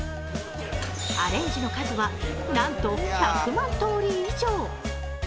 アレンジの数はなんと１００万通り以上。